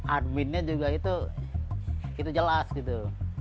adminnya juga itu jelas gitu